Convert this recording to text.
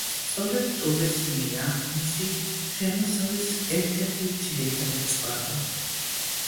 სწორედ ტურიზმია მისი შემოსავლის ერთ-ერთი ძირითადი წყარო.